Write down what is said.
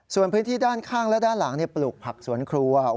ส่วนพื้นที่ด้านข้างและด้านหลังปลูกผักสวนครัว